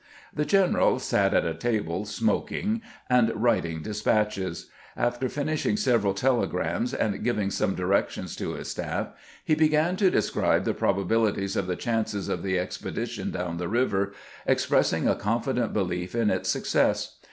The gen eral sat at a table, smoking, and writing despatches. After finishing several telegrams and giving some direc tions to his staff, he began to describe the probabilities of the chances of the expedition down the river, ex pressing a confident belief in its success.